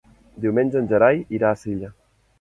Diumenge en Gerai irà a Silla.